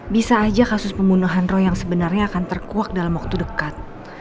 bisa aja kasus pembunuhan roh yang sebenarnya akan terkuak dalam waktu dekat